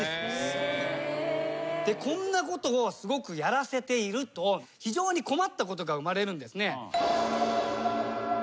こんなことをすごくやらせていると非常に困ったことが生まれるんですね。